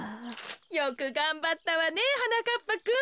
よくがんばったわねはなかっぱくん。